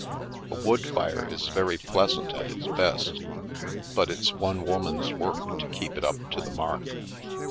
A wood fire is very pleasant at its best, but it's one woman's work to keep it up to the mark.)